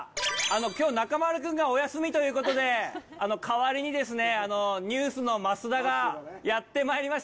今日中丸くんがお休みということで代わりにですねＮＥＷＳの増田がやって参りました